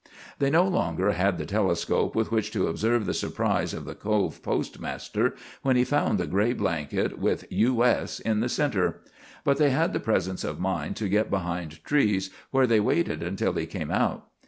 They no longer had the telescope with which to observe the surprise of the Cove postmaster when he found the gray blanket with "U.S." in the center; but they had the presence of mind to get behind trees, where they waited until he came out.